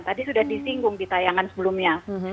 tadi sudah disinggung di tayangan sebelumnya